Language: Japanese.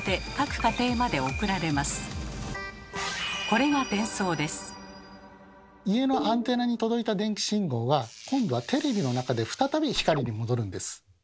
家のアンテナに届いた電気信号は今度はテレビの中で再び光に戻るんです。